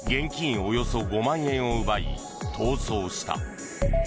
およそ５万円を奪い逃走した。